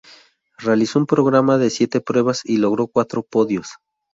Realizó un programa de siete pruebas y logró cuatro podios.